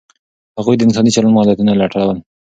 هغوی د انساني چلند علتونه لټول.